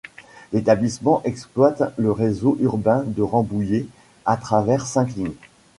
L'établissement exploite le réseau urbain de Rambouillet à travers cinq lignes.